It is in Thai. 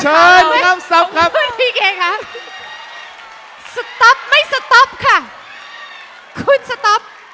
เชิญครับสต๊อบครับขอบคุณพี่เก้ครับสต๊อบไม่สต๊อบค่ะคุณสต๊อบ